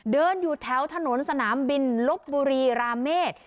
เดินอยู่แถวถนนสนามบินลบบุรีราเมษ